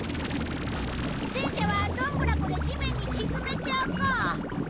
戦車はドンブラ粉で地面に沈めておこう。